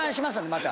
また。